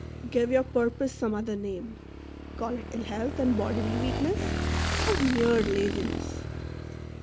Give your purpose some other name ; call it ill health and bodily weakness, or mere laziness.